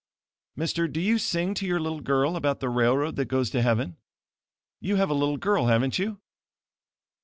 Mister, do you sing to your little girl about the railroad that goes to heaven? You have a little girl, haven't you?"